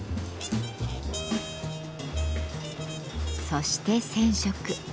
そして染色。